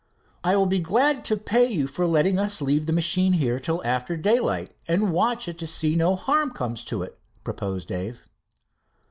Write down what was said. "I will be glad to pay you for letting us leave the machine here till after daylight, and watch it to see no harm comes to it," proposed Dave.